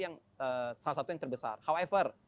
salah satu yang terbesar however